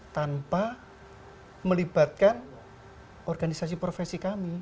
tanpa melibatkan organisasi profesi kami